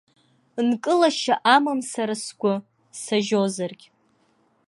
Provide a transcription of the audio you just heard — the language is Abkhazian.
Нкылашьа амам сара сгәы, сажьозаргь.